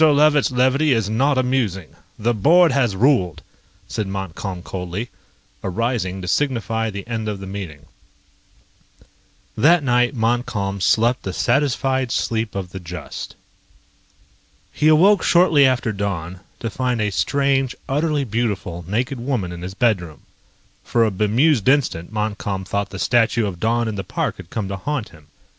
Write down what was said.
Levitt's levity is not amusing. The board has ruled," said Montcalm coldly, arising to signify the end of the meeting. That night Montcalm slept the satisfied sleep of the just. He awoke shortly after dawn to find a strange, utterly beautiful naked woman in his bedroom. For a bemused instant Montcalm thought the statue of Dawn in the park had come to haunt him.